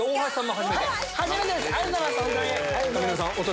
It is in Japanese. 初めて！ありがとうございます。